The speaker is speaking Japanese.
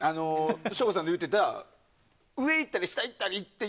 省吾さんの言ってた上に行ったり下に行ったりを